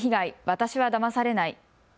私はだまされない。